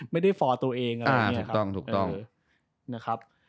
ไม่ได้ฟอร์ตัวเองอะไรอย่างนี้ถูกต้อง